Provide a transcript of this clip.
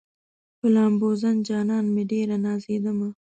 په لامبوزن جانان مې ډېره نازېدمه